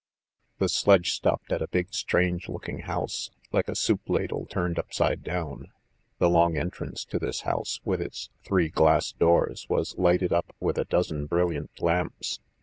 The sledge stopped at a big strange looking house, like a soup ladle turned upside down. The long entrance to this house, with its three glass doors, was lighted up with a dozen brilliant lamps.